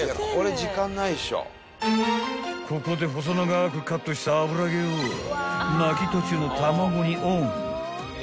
［ここで細長くカットしたあぶら揚げを巻き途中の卵にオン］